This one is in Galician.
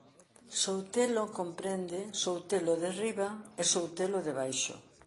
Soutelo comprende Soutelo de Riba e Soutelo de Baixo.